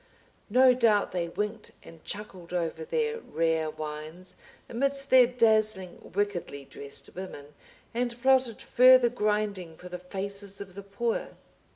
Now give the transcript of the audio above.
No doubt they winked and chuckled over their rare wines, amidst their dazzling, wickedly dressed women, and plotted further grinding for the faces of the poor.